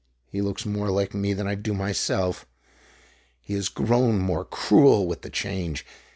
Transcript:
He looks more like me than I do myself. He has grown more cruel with the change.